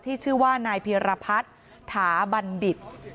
ชื่อว่านายเพียรพัฒน์ถาบัณฑิต